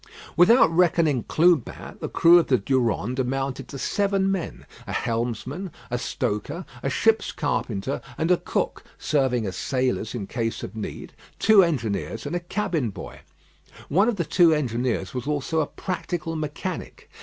Without reckoning Clubin, the crew of the Durande amounted to seven men; a helmsman, a stoker, a ship's carpenter, and a cook serving as sailors in case of need two engineers, and a cabin boy. One of the two engineers was also a practical mechanic.